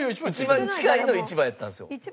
「一番近い」の「１番」やったんですよ。